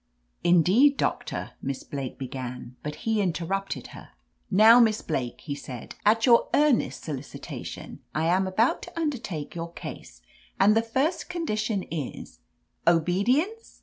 "Indeed, Doctor," Miss Blake began, but he interrupted her. "Now, Miss Blake," he said, "at your ear nest solicitation I am about to undertake your case, and the first condition is —" "Obedience?"